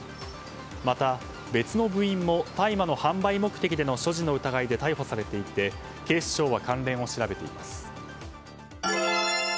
また、別の部員も大麻の販売目的での所持の疑いで逮捕されていて警視庁は関連を調べています。